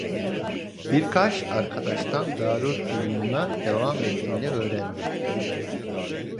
Birkaç arkadaştan Darülfünun'a devam ettiğini öğrendim…